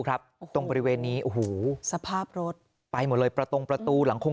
ครับตรงบริเวณนี้โอ้โหสภาพรถไปหมดเลยประตงประตูหลังคง